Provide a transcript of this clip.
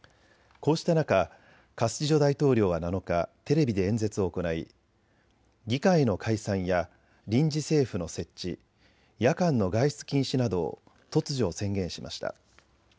こうした中、カスティジョ大統領は７日、テレビで演説を行い議会の解散や臨時政府の設置、夜間の外出禁止などを突如、宣言しました。